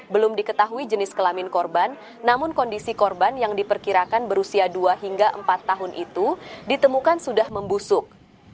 belum diketahui jenis kelamin korban namun kondisi korban yang diperkirakan berusia dua hingga empat tahun itu ditemukan sudah membusuk